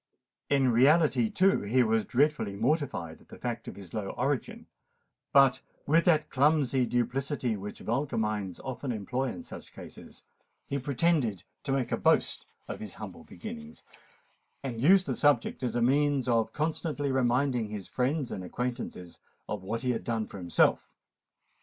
In reality, too, he was dreadfully mortified at the fact of his low origin; but, with that clumsy duplicity which vulgar minds often employ in such cases, he pretended to make a boast of his humble beginning, and used the subject as a means of constantly reminding his friends and acquaintances of what he had done for himself.